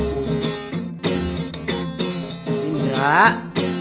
tidak ada tentang itu bos